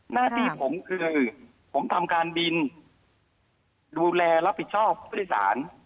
หน้าที่ผมคือผมทำการบินดูแลรับผิดชอบผู้โดยสาร